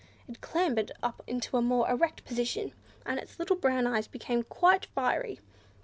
It clambered up into a more erect position, and its little brown eyes became quite fiery.